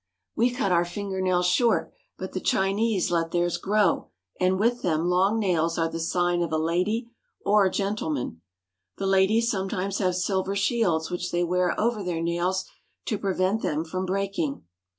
We cut our fingernails short, but the Chinese let theirs grow, and with them long nails are the sign of a lady or gentleman. The ladies sometimes have silver shields which they wear over their nails to prevent them from breaking.